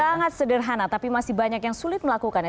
sangat sederhana tapi masih banyak yang sulit melakukannya